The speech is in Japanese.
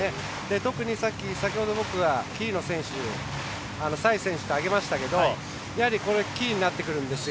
特に先ほど僕がキーの選手サイズ選手と挙げましたがやはりキーになってくるんです。